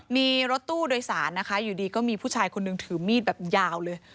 มีรถตู้โดยสารนะคะอยู่ดีก็มีผู้ชายคนนึงถือมีดแบบยาวเลย